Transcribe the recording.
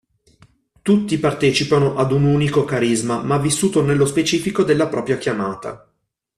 Tutti partecipano ad un unico carisma ma vissuto nello specifico della propria chiamata.